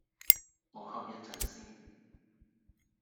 我瞌一陣先